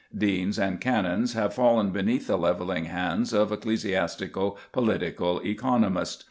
Deans and canons have fallen beneath the levelling hands of ecclesiastico political economists.